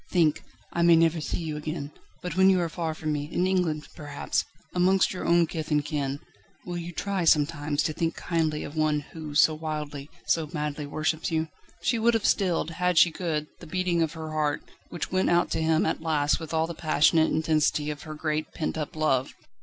"Think! I may never see you again; but when you are far from me in England, perhaps amongst your own kith and kin, will you try sometimes to think kindly of one who so wildly, so madly worships you?" She would have stilled, an she could, the beating of her heart, which went out to him at last with all the passionate intensity of her great, pent up love.